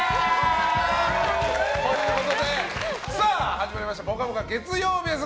始まりました「ぽかぽか」月曜日です。